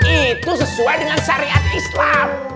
itu sesuai dengan syariat islam